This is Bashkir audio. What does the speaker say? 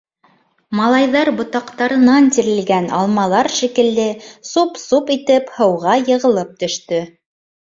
Малайҙар, ботаҡтарынан тирелгән алмалар шикелле, суп-суп итеп һыуға йығылып төштө.